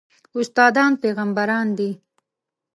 استادان پېغمبران دي